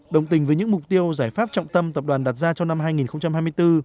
đồng tình với những mục tiêu giải pháp trọng tâm tập đoàn đặt ra cho năm hai nghìn hai mươi bốn